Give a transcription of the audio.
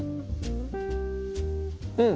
うん！